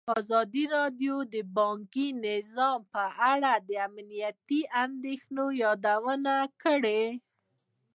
ازادي راډیو د بانکي نظام په اړه د امنیتي اندېښنو یادونه کړې.